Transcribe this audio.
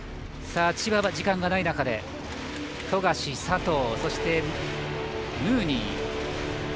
千葉は時間がない中で富樫、佐藤、そしてムーニー。